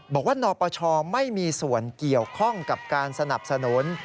บอกว่านปชไม่มีส่วนเกี่ยวข้องกับการสนับสนุน